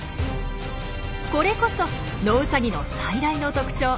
これこそノウサギの最大の特徴。